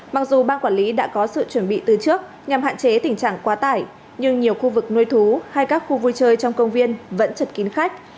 mặc dù ban quản lý đã có sự chuẩn bị từ trước nhằm hạn chế tình trạng quá tải nhưng nhiều khu vực nuôi thú hay các khu vui chơi trong công viên vẫn chật kín khách